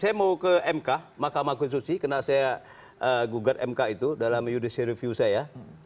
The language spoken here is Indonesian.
saya mau ke mk mahkamah konstitusi karena saya gugat mk itu dalam judicial review saya